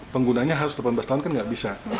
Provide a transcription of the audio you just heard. penggunanya harus delapan belas tahun kan nggak bisa